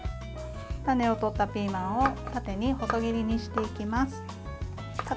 種を取ったピーマンを縦に細切りにしていきます。